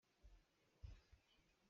Khoika ah dah atu an um?